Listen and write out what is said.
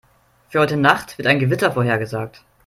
Für heute Nacht wird ein Gewitter vorhergesagt.